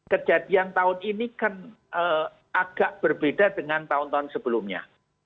kejadian tahun ini kan agak berbeda dengan tahun tahun sebelumnya